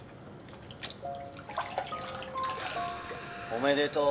おめでとう。